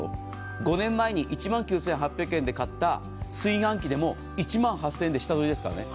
５年前に１万９８００円で買った炊飯器で１万８０００円で下取りですからね。